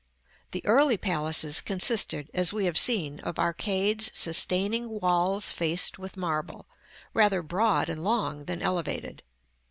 The early palaces consisted, as we have seen, of arcades sustaining walls faced with marble, rather broad and long than elevated.